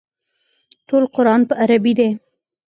ټول قران په عربي دی.